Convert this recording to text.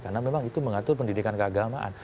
karena memang itu mengatur pendidikan keagamaan